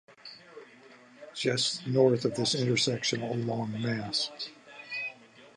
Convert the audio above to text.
Just north of this intersection along Mass.